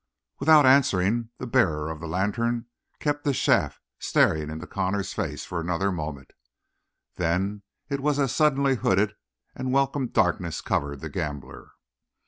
Without answering, the bearer of the lantern kept the shaft staring into Connor's face for another moment; then it was as suddenly hooded and welcome darkness covered the gambler.